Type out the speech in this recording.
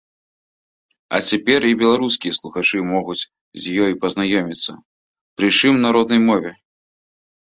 А цяпер і беларускія слухачы могуць з ёй пазнаёміцца, прычым на роднай мове.